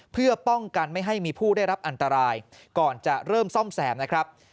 เพื่อป้องกันไม่ให้มีผู้ได้รับอันตรายก่อนจะเริ่มซ่อมแซมนะครับ